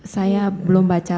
saya belum baca